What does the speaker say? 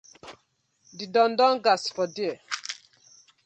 De don don gas for dier.